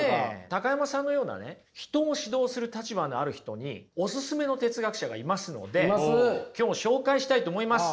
高山さんのような人を指導する立場にある人におすすめの哲学者がいますので今日紹介したいと思います。